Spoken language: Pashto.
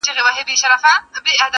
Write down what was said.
سره جمع وي په کور کي د خپلوانو!.